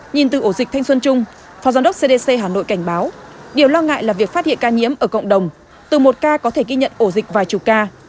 nhìn từ ổ dịch thanh xuân trung phó giám đốc cdc hà nội cảnh báo điều lo ngại là việc phát hiện ca nhiễm ở cộng đồng từ một ca có thể ghi nhận ổ dịch vài chục ca